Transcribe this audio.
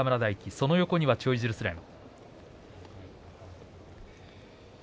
その横にチョイジルスレン。